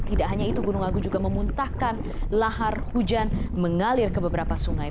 tidak hanya itu gunung agung juga memuntahkan lahar hujan mengalir ke beberapa sungai